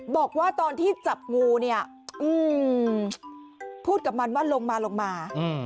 บอกว่าตอนที่จับงูพูดกับมันว่าลงมา